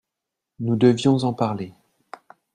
Nous devions en parler.